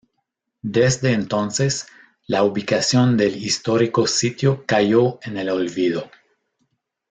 Desde entonces, la ubicación del histórico sitio cayó en el olvido.